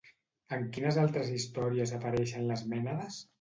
En quines altres històries apareixen les mènades?